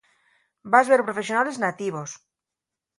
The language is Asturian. Vas ver profesionales nativos.